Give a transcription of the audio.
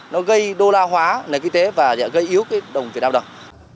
nó gây đô la hóa nền kinh tế và gây yếu đồng tiền đao đồng